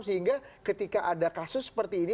sehingga ketika ada kasus seperti ini